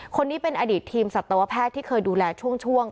คนนี้เป็นอดีตทีมสัตวแพทย์ที่เคยดูแลช่วง